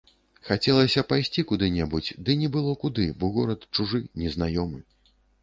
Хацелася пайсці куды-небудзь, ды не было куды, бо горад чужы, незнаёмы.